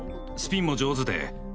スピンも上手で。